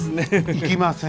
行きません。